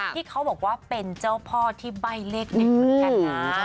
ที่เขาบอกว่าเป็นเจ้าพ่อที่ใบเล็กในคุณแก่นนะ